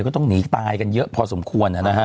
ก็ต้องหนีตายกันเยอะพอสมควร